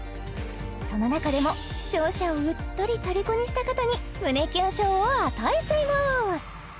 その中でも視聴者をうっとり虜にした方に胸キュン賞を与えちゃいます